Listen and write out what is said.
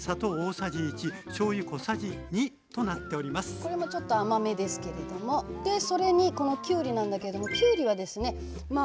これもちょっと甘めですけれどもでそれにこのきゅうりなんだけれどもきゅうりはまあ